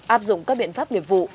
áp dụng các biện pháp nghiệp vụ